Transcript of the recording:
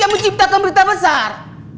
yang menciptakan berita besar